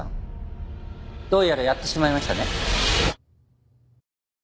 どうやらやってしまいましたね。